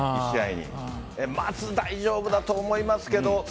まず大丈夫だと思いますけど。